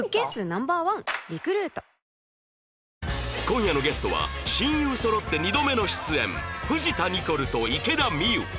今夜のゲストは親友そろって２度目の出演藤田ニコルと池田美優